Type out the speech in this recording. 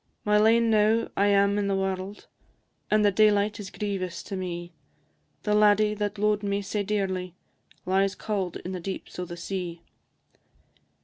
My lane now I am i' the warld, And the daylight is grievous to me; The laddie that lo'ed me sae dearly Lies cauld in the deeps o' the sea.